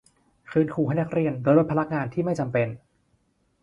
คืนครูให้นักเรียนโดยลดภาระงานที่ไม่จำเป็น